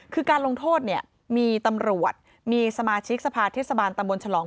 คือการลงโทษเนี่ยมีตำรวจมีสมาชิกสภาเทศบาลตำบลฉลอง